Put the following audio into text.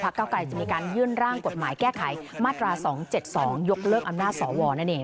เก้าไกรจะมีการยื่นร่างกฎหมายแก้ไขมาตรา๒๗๒ยกเลิกอำนาจสวนั่นเอง